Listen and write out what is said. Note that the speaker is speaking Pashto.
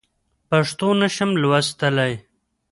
پښتو نه شم لوستلی.